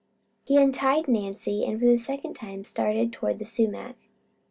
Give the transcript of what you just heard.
He untied Nancy, and for the second time started toward the sumac.